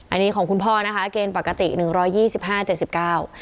อันนี้ของคุณพ่อนะคะเกณฑ์ปกติหนึ่งร้อยยี่สิบห้าเจ็ดสิบเก้า